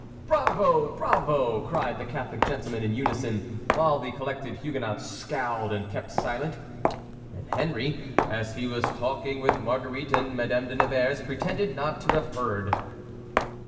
" "Bravo! bravo!" cried the Catholic gentlemen in unison, while the collected Huguenots scowled and kept silent, and Henry, as he was talking with Marguerite and Madame de Nevers, pretended not to have heard.